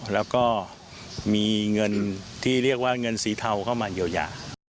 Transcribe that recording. แล้วก็มีเงินที่เรียกว่าเงินสีเทาเข้ามาเยียวยา